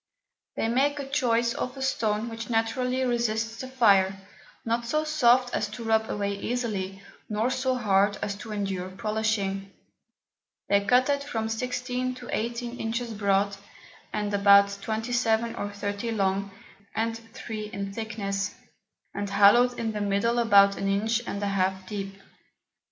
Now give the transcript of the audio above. They make choice of a Stone which naturally resists the Fire, not so soft as to rub away easily, nor so hard as to endure polishing. They cut it from 16 to 18 Inches broad, and about 27 or 30 long, and 3 in thickness, and hollowed in the middle about an Inch and a half deep.